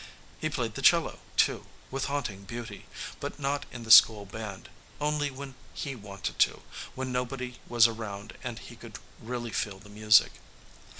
He played the cello, too, with haunting beauty, but not in the school band, only when he wanted to, when nobody was around and he could really feel the music.